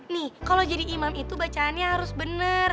nih kalau jadi imam itu bacaannya harus bener ya